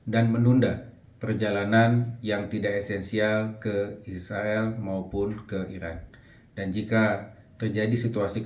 dan menunda perjalanan yang tidak esensial ke israel maupun ke iran dan jika terjadi situasi